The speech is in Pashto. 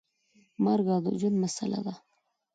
د مرګ او ژوند مسله ده.